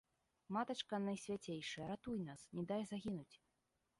Матачка найсвяцейшая, ратуй нас, не дай загінуць.